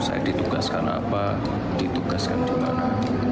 saya ditugaskan apa ditugaskan di mana